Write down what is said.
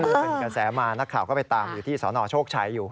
นี่เป็นกระแสมานักข่าวก็ไปตามอยู่ที่สนโชคชัยอยู่